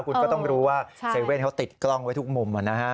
คุณก็ต้องรู้ว่า๗๑๑เขาติดกล้องไว้ทุกมุมนะฮะ